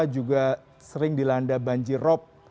juga sering dilanda banjir rob